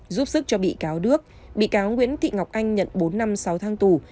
giúp sức cho bị cáo đức bị cáo nguyễn thị ngọc anh nhận bốn năm sáu tháng tù